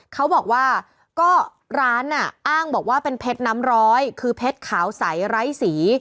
เขาบอกว่าร้านเอน่อ้างจะเป็นเพชรน้ำร้อยคือเพชรขาวไสน์ไร้สี